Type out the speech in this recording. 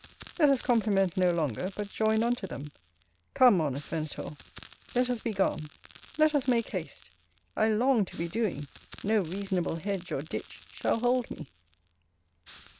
Let us compliment no longer, but join unto them. Come, honest Venator, let us be gone, let us make haste; I long to be doing; no reasonable hedge or ditch shall hold me.